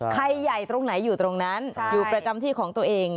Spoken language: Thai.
ใครใหญ่ตรงไหนอยู่ตรงนั้นอยู่ประจำที่ของตัวเอง